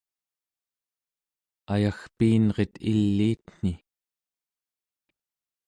ayagpiinret iliitni